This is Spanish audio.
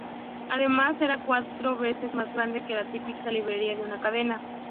Además, era cuatro veces más grande que la típica librería de una cadena.